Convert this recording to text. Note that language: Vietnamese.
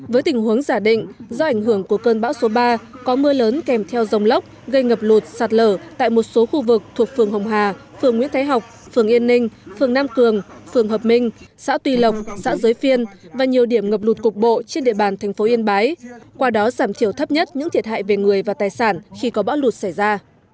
với tình huống giả định do ảnh hưởng của cơn bão số ba có mưa lớn kèm theo dòng lốc gây ngập lụt sạt lở tại một số khu vực thuộc phường hồng hà phường nguyễn thái học phường yên ninh phường nam cường phường hợp minh xã tuy lộc xã giới phiên và nhiều điểm ngập lụt cục bộ trên địa bàn thành phố yên bái qua đó giảm thiểu thấp nhất những thiệt hại về người và tài sản khi có bão lụt xảy ra